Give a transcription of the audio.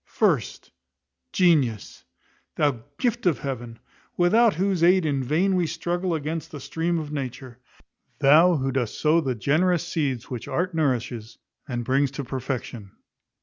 First, Genius; thou gift of Heaven; without whose aid in vain we struggle against the stream of nature. Thou who dost sow the generous seeds which art nourishes, and brings to perfection.